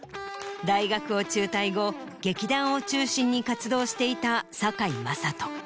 大学を中退後劇団を中心に活動していた堺雅人。